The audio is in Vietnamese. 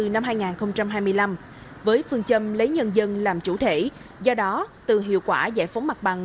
năm hai nghìn hai mươi năm với phương châm lấy nhân dân làm chủ thể do đó từ hiệu quả giải phóng mặt bằng